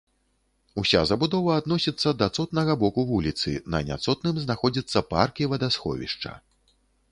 Уся забудова адносіцца да цотнага боку вуліцы, на няцотным знаходзяцца парк і вадасховішча.